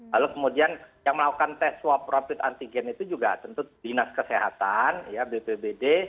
lalu kemudian yang melakukan tes swab rapid antigen itu juga tentu dinas kesehatan ya bpbd